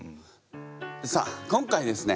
さあ今回ですね